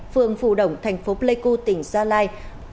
phường phù đồng tp pleiku tỉnh gia lai